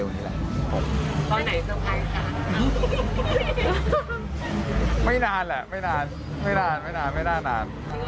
หมักไม่โป๊ะ